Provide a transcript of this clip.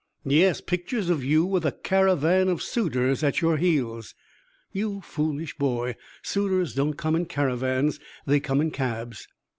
"Yes, pictures of you with a caravan of suitors at your heels." "You foolish boy! Suitors don't come in caravans they come in cabs."